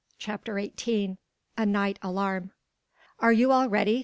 CHAPTER XVIII A NIGHT ALARM "ARE you all ready?"